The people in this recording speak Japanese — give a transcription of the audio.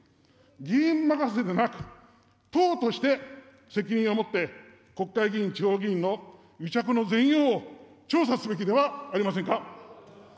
議員任せでなく、党として責任をもって、国会議員、地方議員の癒着の全容を調査すべきではありませんか。